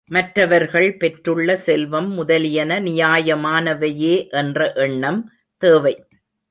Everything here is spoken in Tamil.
மற்றவர்கள் பெற்றுள்ள செல்வம் முதலியன நியாயமானவையே என்ற எண்ணம் தேவை.